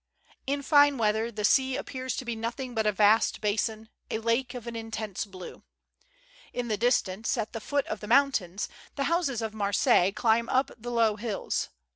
In line weather the sea appears to be nothing but a vast basin, a lake of an intense blue. In the distance, at the foot of the moun tains, the houses of Marseilles climb up the low hills.